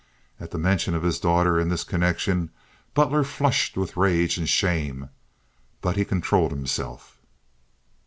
At the mention of his daughter in this connection Butler flushed with rage and shame, but he controlled himself.